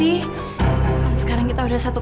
alla sedang untuk lany places